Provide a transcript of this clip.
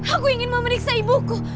aku ingin memeriksa ibuku